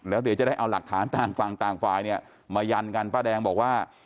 แล้วเดี๋ยวจะได้เอาหลักฐานต่างฝั่งต่างฝ่ายเนี่ยมายันกันป้าแดงบอกว่า